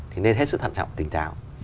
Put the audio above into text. thì nên hết sức thận trọng tỉnh thảo